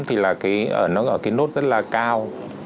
thì là nó ở cái nốt rất là cao